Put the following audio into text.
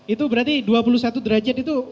itu berarti dua puluh satu derajat itu